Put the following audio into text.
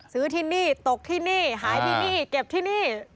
ซื้อที่นี่ตกที่นี่หายที่นี่เก็บที่นี่